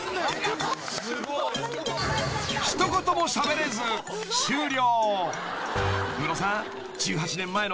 ［一言もしゃべれず終了］